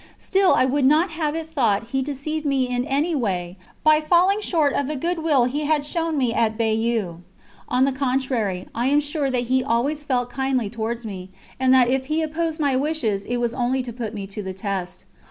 Still I would not have it thought he deceived me in any way by falling short of the good will he had shown at Bayeux. On the contrary, I am sure that he always felt kindly towards me, and that if he opposed my wishes it was only to put me to the test.